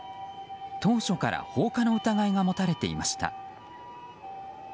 当初から放火の疑いが持たれていました。